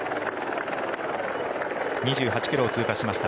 ２８ｋｍを通過しました。